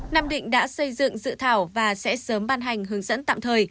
nam định đã xây dựng dự thảo và sẽ sớm ban hành hướng dẫn tạm thời